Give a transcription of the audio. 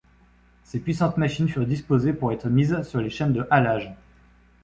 Ses puissantes machines furent disposées pour être mises sur les chaînes de halage.